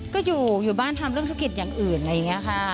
ก็อยู่บ้านทำเรื่องธุรกิจอย่างอื่นอะไรอย่างนี้ค่ะ